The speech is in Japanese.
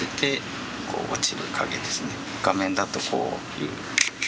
画面だとこういう。